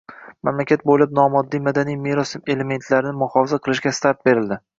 Mamlakat bo‘ylab nomoddiy madaniy meros elementlarini muhofaza qilishga start berildi